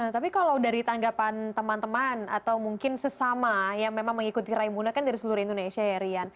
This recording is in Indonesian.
tapi kalau dari tanggapan teman teman atau mungkin sesama yang memang mengikuti raimuna kan dari seluruh indonesia ya rian